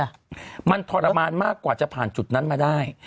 อาการเข้าข่ายโรคซึมเศร้าอาจจะมันทรมานมากกว่าจะผ่านจุดนั้นมาได้